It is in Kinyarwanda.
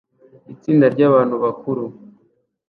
Itsinda ryabantu bakuru